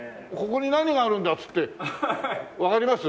ここに何があるんだっつってわかります？